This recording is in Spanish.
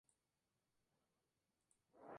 Se encuentra en Eritrea.